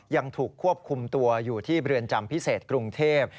ยังถูกควบคุมตัวอยู่ที่เรือนจำพิเศษกรุงเทพ